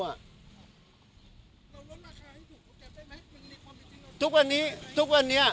เราลดราคาให้ถูกของแก๊บได้ไหมทุกวันนี้ทุกวันนี้